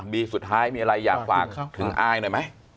สุดท้ายมีอะไรอยากฝากถึงอายหน่อยไหม